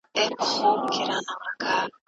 زه د پښتو ژبې زده کړه کوم.